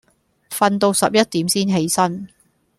訓到十一點先起身